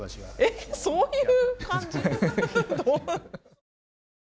えっそういう感じ？